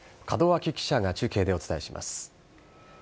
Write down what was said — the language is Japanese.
門脇記者が中継でお伝えします。